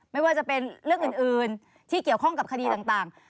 ไม่ว่าจะเป็นเรื่องอื่นที่เกี่ยวข้องกับคดีต่าง